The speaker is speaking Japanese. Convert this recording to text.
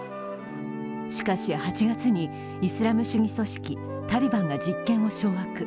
しかし、８月にイスラム主義組織タリバンが実権を掌握。